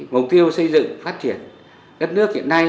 mục tiêu xây dựng phát triển đất nước hiện nay